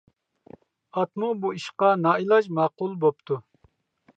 ئاتمۇ بۇ ئىشقا نائىلاج ماقۇل بوپتۇ.